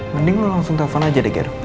mending lu langsung telepon aja deh ger